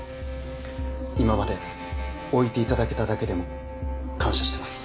今まで置いていただけただけでも感謝してます。